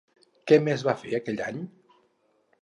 Què més va fer aquell any?